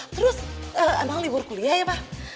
terus emang libur kuliah ya pak